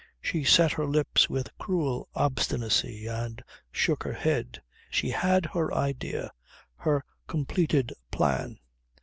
She set her lips with cruel obstinacy and shook her head. She had her idea, her completed plan.